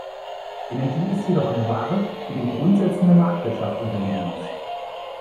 Energie ist jedoch eine Ware, die den Grundsätzen der Marktwirtschaft unterliegen muss.